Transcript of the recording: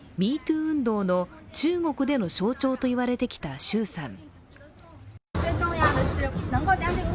運動の中国での象徴といわれてきた周さん。